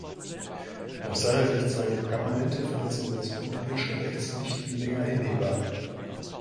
Aus seiner Sicht sei die „permanente Verletzung des europäischen Rechts“ nicht länger hinnehmbar.